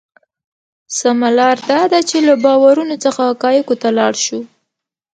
سمه لار دا ده چې له باورونو څخه حقایقو ته لاړ شو.